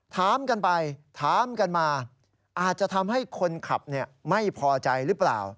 ถามกันไปถามกันมาอาจจะทำให้คนขับไม่พอใจหรือเปล่า